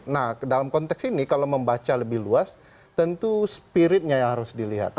nah dalam konteks ini kalau membaca lebih luas tentu spiritnya yang harus dilihat